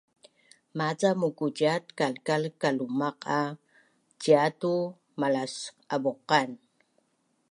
Maca mukuciat kalkal kalumaq a ciatu malas abuqan